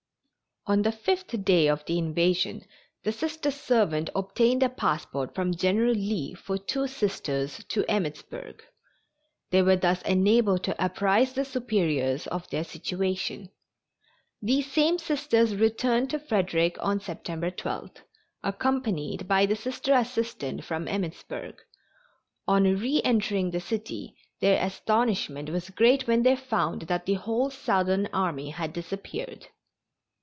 On the fifth day of the invasion the Sister servant obtained a passport from General Lee for two Sisters to Emmittsburg. They were thus enabled to apprise the Superiors of their situation. These same Sisters returned to Frederick on September 12, accompanied by the Sister assistant from Emmittsburg. On re entering the city their astonishment was great when they found that the whole Southern army had disappeared.